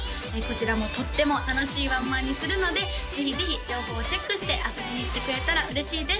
こちらもとっても楽しいワンマンにするのでぜひぜひ情報をチェックして遊びに来てくれたら嬉しいです